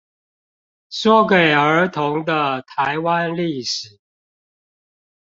說給兒童的臺灣歷史